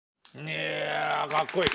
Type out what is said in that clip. いやかっこいい。